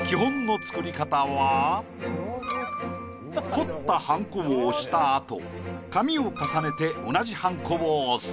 彫ったはんこを押した後紙を重ねて同じはんこを押す。